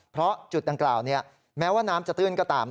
เพราะจุดดังกล่าวแม้ว่าน้ำจะตื้นก็ตาม